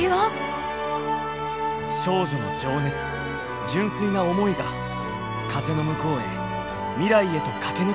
少女の情熱純粋な思いが風の向こうへ未来へと駆け抜けていく。